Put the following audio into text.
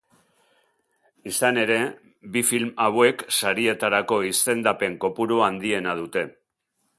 Izan ere, bi film hauek sarietarako izendapen kopuru handiena dute.